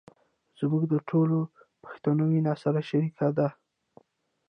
زموږ د ټولو پښتنو وينه سره شریکه ده.